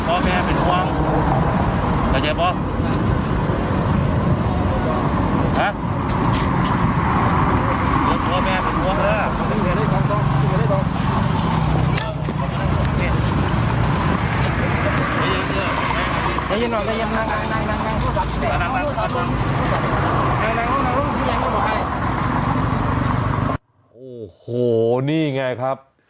โอ้โหนี่ไงครับ